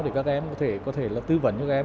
để các em có thể tư vấn với các em